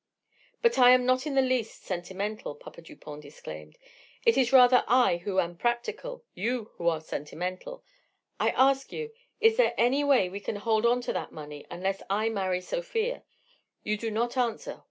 "But I am not in the least sentimental," Papa Dupont disclaimed. "It is rather I who am practical, you who are sentimental. I ask you: Is there any way we can hold on to that money unless I marry Sofia? You do not answer.